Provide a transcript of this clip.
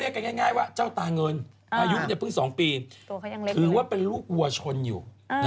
เรียกกันง่ายวะเจ้าตาเงินอายุขึ้นในเพิ่ง๒ปีคือว่าเป็นลูกวัวชนอยู่